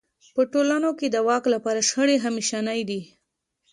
په ټولنو کې د واک لپاره شخړې همېشنۍ دي.